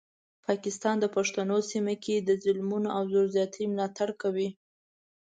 پاکستان د پښتنو سیمه کې د ظلمونو او زور زیاتي ملاتړ کوي.